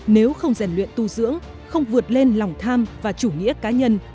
nếu không rèn luyện tu dưỡng không vượt lên lòng tham và chủ nghĩa cá nhân